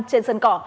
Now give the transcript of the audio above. trên sân cỏ